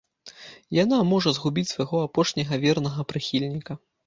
Яна можа згубіць свайго апошняга вернага прыхільніка.